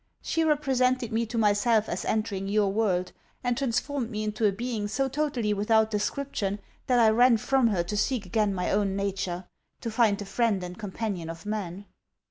She represented me to myself as entering your world; and transformed me into a being so totally without description, that I ran from her to seek again my own nature: to find the friend and companion of man.